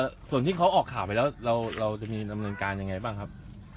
ส่วนที่เขาออกข่าวไปแล้วเราจะมีดำเนินการยังไงบ้างครับ